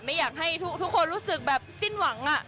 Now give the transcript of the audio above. ไม่อยากให้ทุกคนรู้สึกแบบสิ้นหวัง